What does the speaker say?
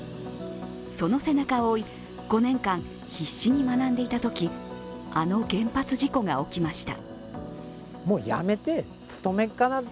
その背中を追い、５年間、必死に学んでいたときあの原発事故が起きました。